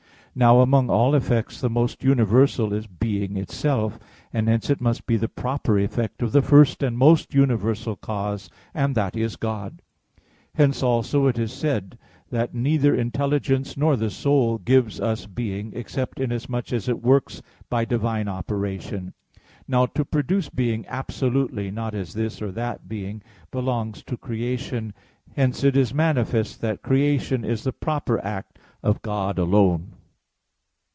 Now among all effects the most universal is being itself: and hence it must be the proper effect of the first and most universal cause, and that is God. Hence also it is said (De Causis prop., iii) that "neither intelligence nor the soul gives us being, except inasmuch as it works by divine operation." Now to produce being absolutely, not as this or that being, belongs to creation. Hence it is manifest that creation is the proper act of God alone.